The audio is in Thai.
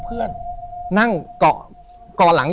ถูกต้องไหมครับถูกต้องไหมครับ